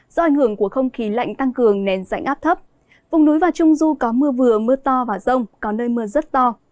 do ảnh hưởng của không khí lạnh tăng cường nền dãnh áp thấp vùng núi và trung du có mưa vừa mưa to và rông có nơi mưa rất to